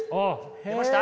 出ました？